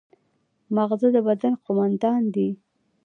ماغزه د بدن قوماندان دی